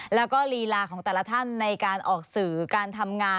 แล้วก็ลีลาของแต่ละท่านในการออกสื่อการทำงาน